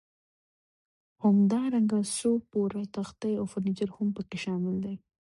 همدارنګه څو پوړه تختې او فرنیچر هم پکې شامل دي.